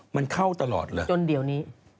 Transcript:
มันเข้าตลอดเดียวนี้